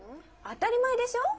当たり前でしょ。